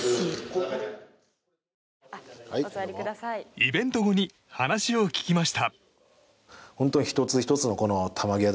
イベント後に話を聞きました。